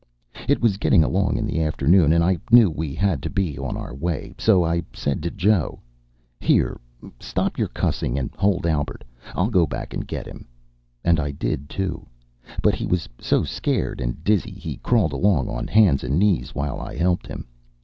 It was getting along in the afternoon, and I knew we had to be on our way, so I said to Joe: "Here, stop your cussing and hold Albert. I'll go back and get him." And I did, too; but he was so scared and dizzy he crawled along on hands and knees while I helped him.